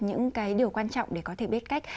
những điều quan trọng để có thể biết cách